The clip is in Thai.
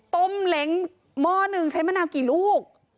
ต้มเหล็งหม้อหนึ่งใช้มะนาวกี่ลูก